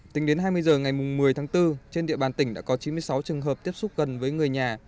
tính đến hai mươi h ngày một mươi tháng bốn trên địa bàn tỉnh đã có chín mươi sáu trường hợp tiếp xúc gần với người nhà